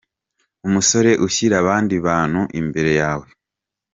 Umusore ushyira abandi bantu imbere yawe.